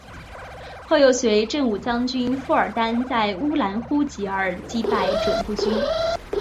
后又随振武将军傅尔丹在乌兰呼济尔击败准部军。